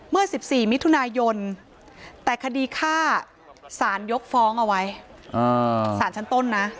เมื่อ๑๔มิถุนายนแต่คดีฆ่าสารยกฟ้องเอาไว้สารชั้นต้นนะ